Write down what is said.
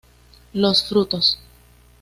Los frutos.